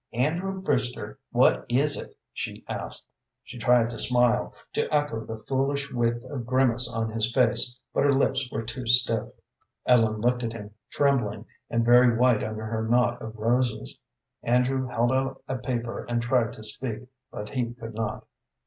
"Andrew Brewster, what is it?" she asked. She tried to smile, to echo the foolish width of grimace on his face, but her lips were too stiff. Ellen looked at him, trembling, and very white under her knot of roses. Andrew held out a paper and tried to speak, but he could not.